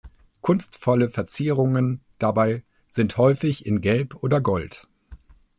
Kunstvolle Verzierungen dabei sind häufig in Gelb oder Gold.